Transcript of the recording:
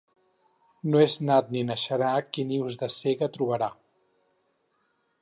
No és nat ni naixerà qui nius de cega trobarà.